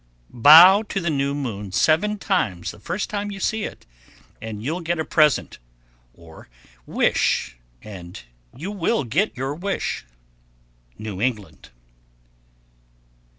_ 1092. Bow to the new moon seven times the first time you see it, and you'll get a present, or wish and you will get your wish. _New England.